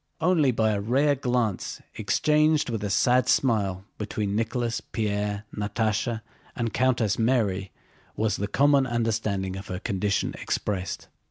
Only by a rare glance exchanged with a sad smile between Nicholas, Pierre, Natásha, and Countess Mary was the common understanding of her condition expressed.